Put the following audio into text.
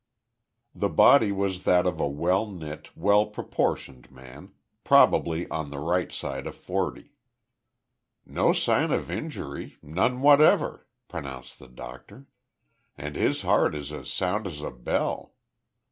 The body was that of a well knit, well proportioned man, probably on the right side of forty. "No sign of injury, none whatever," pronounced the doctor, "and his heart is as sound as a bell.